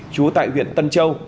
trú tại huyện tân châu